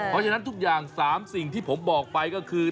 เพราะฉะนั้นทุกอย่าง๓สิ่งที่ผมบอกไปก็คือ